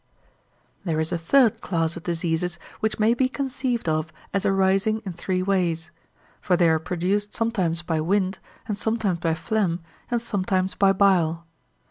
There is a third class of diseases which may be conceived of as arising in three ways; for they are produced sometimes by wind, and sometimes by phlegm, and sometimes by bile.